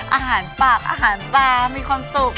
อาหารปากอาหารตามีความสุข